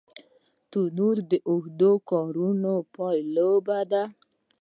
تنور د اوږدو کارونو پایله ده